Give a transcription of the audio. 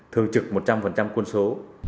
thường trực một trăm linh quân số